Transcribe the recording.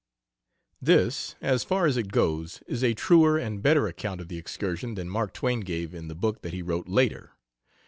This, as far as it goes, is a truer and better account of the excursion than Mark Twain gave in the book that he wrote later.